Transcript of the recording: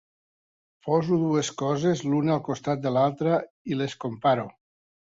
Poso dues coses l'una al costat de l'altra i les comparo.